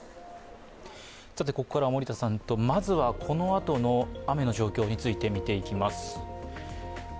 ここからは森田さん、まずはこのあとの雨の状況について見ていきます。